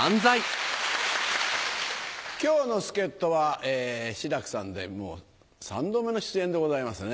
今日の助っ人は志らくさんでもう３度目の出演でございます。